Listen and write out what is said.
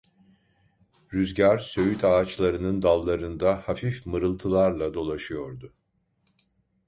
Rüzgar söğüt ağaçlarının dallarında hafif mırıltılarla dolaşıyordu.